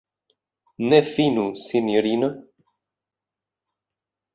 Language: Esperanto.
Ne finu, sinjorino!